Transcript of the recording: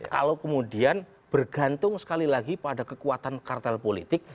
kalau kemudian bergantung sekali lagi pada kekuatan kartel politik